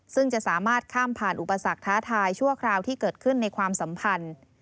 ซึ่งจะสามารถข้ามผ่านอุปสรรคท้าทายชั่วคราวที่เกิดขึ้นในความสัมพันธ์